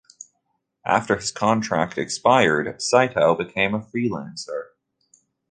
After his contract expired, Saito became a freelancer.